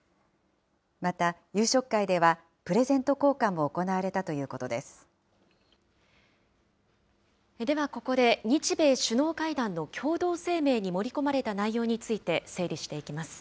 また夕食会では、プレゼント交換ではここで、日米首脳会談の共同声明に盛り込まれた内容について整理していきます。